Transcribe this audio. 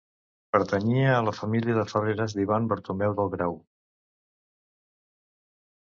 Pertanyia a la família de Ferreres d'Ivan Bartomeu del Grau.